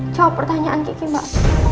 jawab pertanyaan kiki mbak